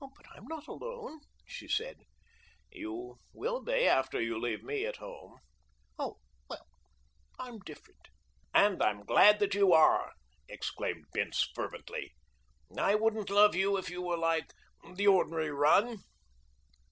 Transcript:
"But I'm not alone," she said. "You will be after you leave me at home." "Oh, well, I'm different." "And I'm glad that you are!" exclaimed Bince fervently. "I wouldn't love you if you were like the ordinary run."